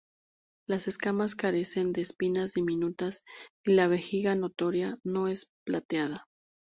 Las escamas carecen de espinas diminutas y la vejiga natatoria no es plateada.